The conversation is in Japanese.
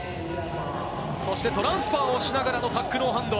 そしてトランスファーをしながらのタックノーハンド。